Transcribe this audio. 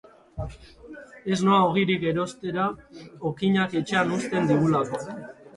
Ez noa ogirik erostera, okinak etxean uzten digulako.